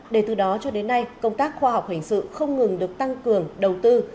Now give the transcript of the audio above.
để từ đó cho đến nay công tác khoa học hình sự không ngừng được tăng cường đầu tư